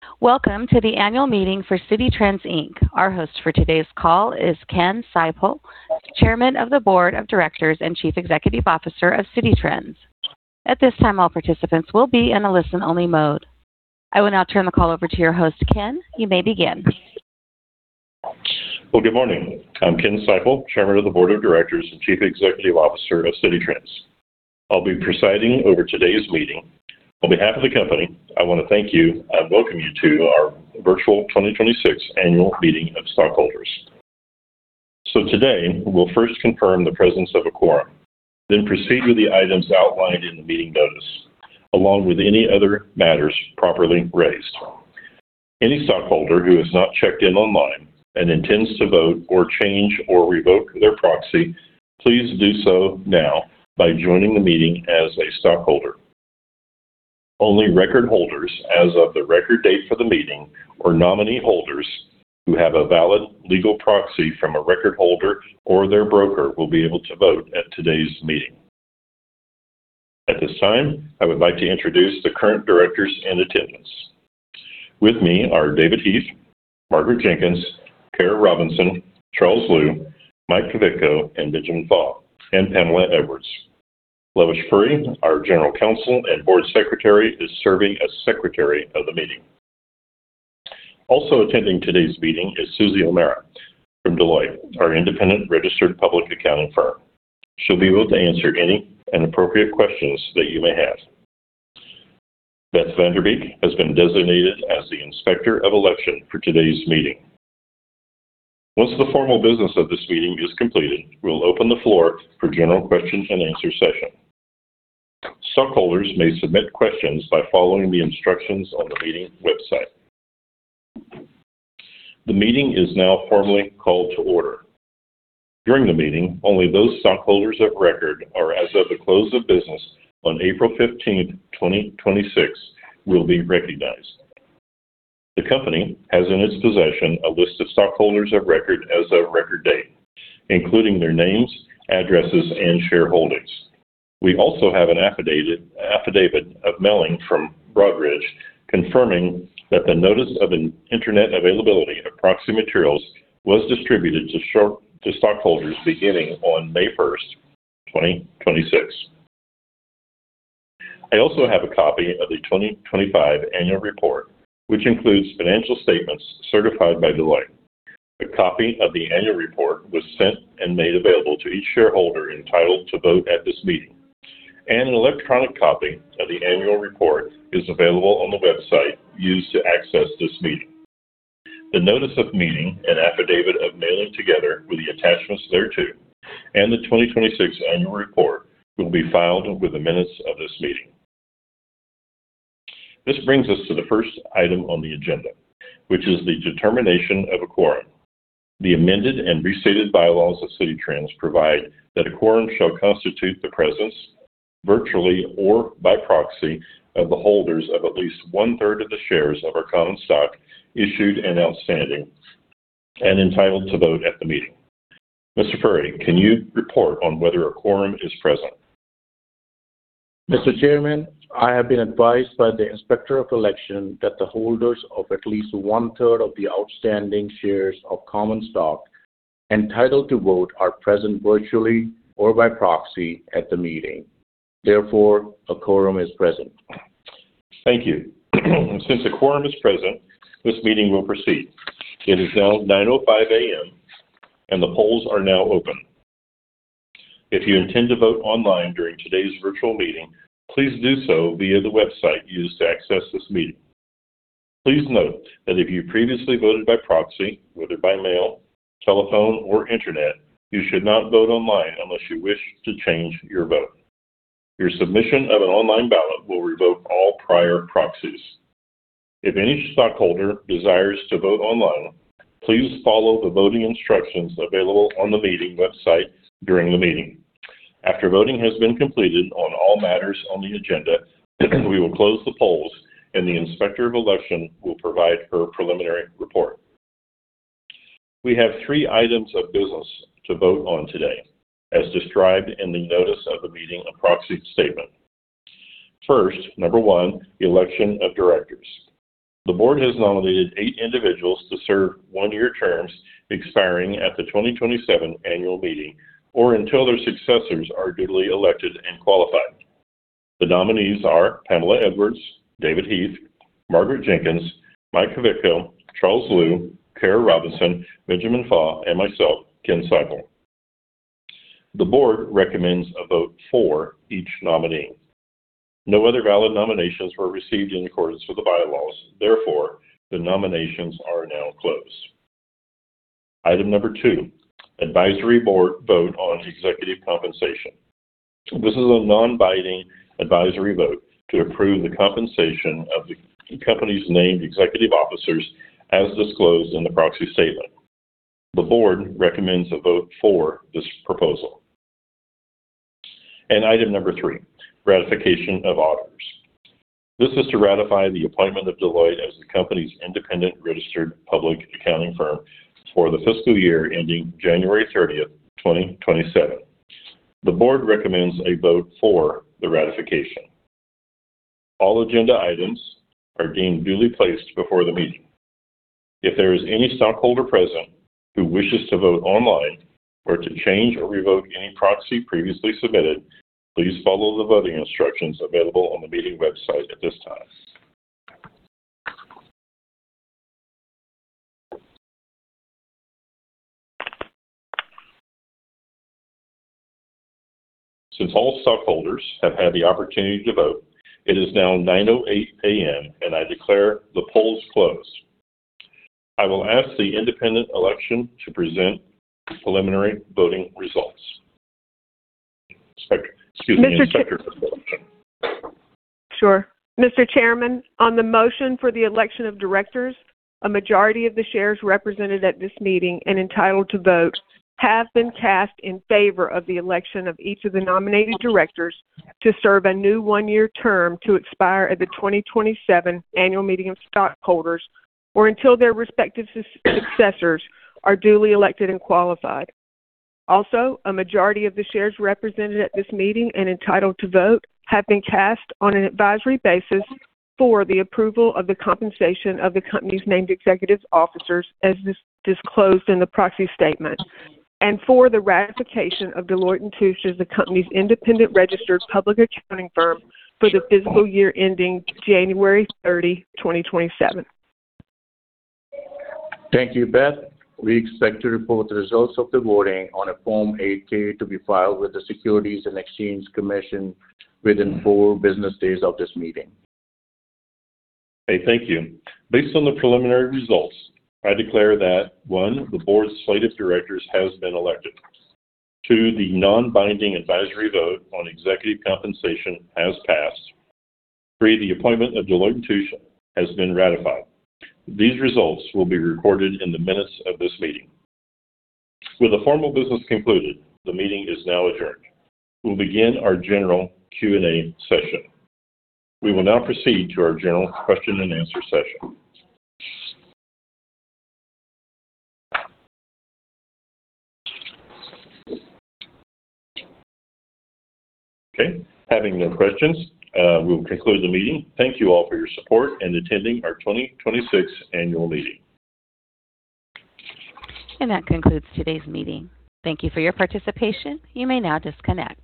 Welcome to the annual meeting for Citi Trends Inc. Our host for today's call is Ken Seipel, Chairman of the Board of Directors and Chief Executive Officer of Citi Trends. At this time, all participants will be in a listen-only mode. I will now turn the call over to your host, Ken. You may begin. Well, good morning. I'm Ken Seipel, Chairman of the Board of Directors and Chief Executive Officer of Citi Trends. I'll be presiding over today's meeting. On behalf of the company, I want to thank you and welcome you to our virtual 2026 annual meeting of stockholders. Today, we'll first confirm the presence of a quorum, then proceed with the items outlined in the meeting notice, along with any other matters properly raised. Any stockholder who has not checked in online and intends to vote or change or revoke their proxy, please do so now by joining the meeting as a stockholder. Only record holders as of the record date for the meeting or nominee holders who have a valid legal proxy from a record holder or their broker will be able to vote at today's meeting. At this time, I would like to introduce the current directors in attendance. With me are David Heath, Margaret Jenkins, Cara Robinson, Charles Liu, Michael Kvitko, and Benjamin Faw, and Pamela Edwards. Lovesh Puri, our General Counsel and Board Secretary, is serving as secretary of the meeting. Also attending today's meeting is Suzy O'Mara from Deloitte, our independent registered public accounting firm. She'll be able to answer any inappropriate questions that you may have. Beth VanDerbeck has been designated as the Inspector of Election for today's meeting. Once the formal business of this meeting is completed, we'll open the floor for general question and answer session. Stockholders may submit questions by following the instructions on the meeting website. The meeting is now formally called to order. During the meeting, only those stockholders of record or as of the close of business on April 15th, 2026, will be recognized. The company has in its possession a list of stockholders of record as of record date, including their names, addresses, and shareholdings. We also have an affidavit of mailing from Broadridge confirming that the notice of internet availability of proxy materials was distributed to stockholders beginning on May 1st, 2026. I also have a copy of the 2025 annual report, which includes financial statements certified by Deloitte. A copy of the annual report was sent and made available to each shareholder entitled to vote at this meeting, and an electronic copy of the annual report is available on the website used to access this meeting. The notice of meeting and affidavit of mailing together with the attachments thereto, and the 2026 annual report, will be filed with the minutes of this meeting. This brings us to the first item on the agenda, which is the determination of a quorum. The amended and restated bylaws of Citi Trends provide that a quorum shall constitute the presence, virtually or by proxy, of the holders of at least one-third of the shares of our common stock issued and outstanding and entitled to vote at the meeting. Mr. Puri, can you report on whether a quorum is present? Mr. Chairman, I have been advised by the Inspector of Election that the holders of at least one-third of the outstanding shares of common stock entitled to vote are present virtually or by proxy at the meeting. Therefore, a quorum is present. Thank you. Since a quorum is present, this meeting will proceed. It is now 9:05 A.M. and the polls are now open. If you intend to vote online during today's virtual meeting, please do so via the website used to access this meeting. Please note that if you previously voted by proxy, whether by mail, telephone, or internet, you should not vote online unless you wish to change your vote. Your submission of an online ballot will revoke all prior proxies. If any stockholder desires to vote online, please follow the voting instructions available on the meeting website during the meeting. After voting has been completed on all matters on the agenda, we will close the polls, and the Inspector of Election will provide her preliminary report. We have three items of business to vote on today, as described in the notice of the meeting and proxy statement. First, number one, the election of directors. The board has nominated eight individuals to serve one-year terms expiring at the 2027 annual meeting or until their successors are duly elected and qualified. The nominees are Pamela Edwards, David Heath, Margaret Jenkins, Mike Kvitko, Charles Liu, Cara Robinson, Benjamin Faw, and myself, Ken Seipel. The board recommends a vote for each nominee. No other valid nominations were received in accordance with the bylaws. Therefore, the nominations are now closed. Item number two, advisory vote on executive compensation. This is a non-binding advisory vote to approve the compensation of the company's named executive officers as disclosed in the proxy statement. The board recommends a vote for this proposal. Item number three, ratification of auditors. This is to ratify the appointment of Deloitte as the company's independent registered public accounting firm for the fiscal year ending January 30th, 2027. The board recommends a vote for the ratification. All agenda items are deemed duly placed before the meeting. If there is any stockholder present who wishes to vote online or to change or revoke any proxy previously submitted, please follow the voting instructions available on the meeting website at this time. Since all stockholders have had the opportunity to vote, it is now 9:08 A.M., and I declare the polls closed. I will ask the Inspector of Election to present preliminary voting results. Excuse me. Sure. Mr. Chairman, on the motion for the election of directors, a majority of the shares represented at this meeting and entitled to vote have been cast in favor of the election of each of the nominated directors to serve a new one-year term to expire at the 2027 annual meeting of stockholders, or until their respective successors are duly elected and qualified. Also, a majority of the shares represented at this meeting and entitled to vote have been cast on an advisory basis for the approval of the compensation of the company's named executive officers, as disclosed in the proxy statement, and for the ratification of Deloitte & Touche as the company's independent registered public accounting firm for the fiscal year ending January 30, 2027. Thank you, Beth. We expect to report the results of the voting on a Form 8-K to be filed with the Securities and Exchange Commission within four business days of this meeting. Okay, thank you. Based on the preliminary results, I declare that, one, the board's slate of directors has been elected. Two, the non-binding advisory vote on executive compensation has passed. Three, the appointment of Deloitte & Touche has been ratified. These results will be recorded in the minutes of this meeting. With the formal business concluded, the meeting is now adjourned. We'll begin our general Q&A session. We will now proceed to our general question and answer session. Okay, having no questions, we will conclude the meeting. Thank you all for your support and attending our 2026 annual meeting. That concludes today's meeting. Thank you for your participation. You may now disconnect.